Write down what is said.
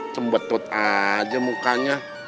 cembetut aja mukanya